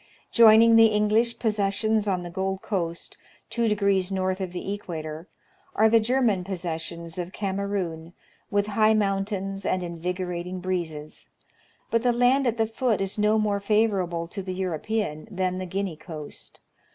Joining the English possessions on the Gold Coast, two degrees north of the equator, are the German possessions of Kamerun, with high mountains and invigorating breezes ; but the land at the foot is no more favorable to the European than the Guinea coast.